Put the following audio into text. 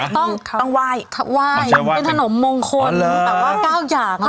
ต้องว่ายว่ายมันเป็นขนมมงคลแบบว่าเก้าอย่างหน่อย